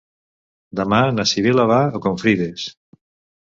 Demà na Sibil·la va a Confrides.